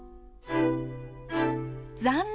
残念！